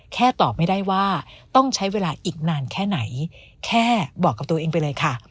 ตอบไม่ได้ว่าต้องใช้เวลาอีกนานแค่ไหนแค่บอกกับตัวเองไปเลยค่ะ